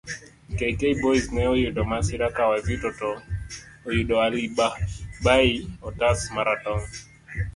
kk Homeboyz ne oyudo masira ka Wazito to oyudo Ali bhai otas maratong'